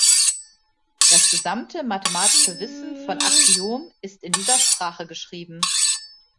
Das gesamte mathematische Wissen von Axiom ist in dieser Sprache geschrieben.